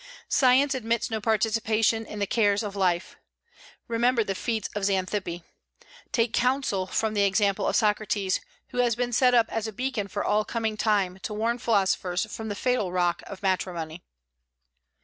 Science admits no participation in the cares of life. Remember the feats of Xanthippe. Take counsel from the example of Socrates, who has been set up as a beacon for all coming time to warn philosophers from the fatal rock of matrimony."